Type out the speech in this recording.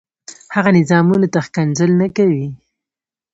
هغه نظامونو ته ښکنځل نه کوي.